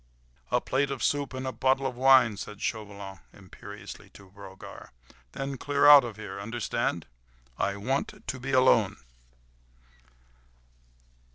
"A plate of soup and a bottle of wine," said Chauvelin imperiously to Brogard, "then clear out of here—understand? I want to be alone."